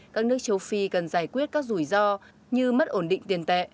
các nước châu phi cần giải quyết các rủi ro như mất ổn định tiền tệ